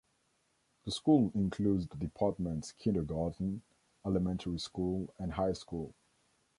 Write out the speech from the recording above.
The school includes the departments kindergarten, elementary school, and high school.